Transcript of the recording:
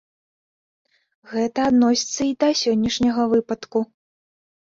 Гэта адносіцца і да сённяшняга выпадку.